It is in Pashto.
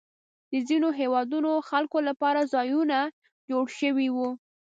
د ځینو هېوادونو خلکو لپاره ځایونه جوړ شوي وو.